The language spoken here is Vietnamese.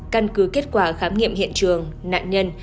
căn cứ kết quả khám nghiệm hiện trường nạn nhân